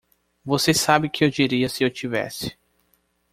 Você sabe que eu diria se eu tivesse.